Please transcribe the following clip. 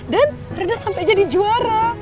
dan rena sampai jadi juara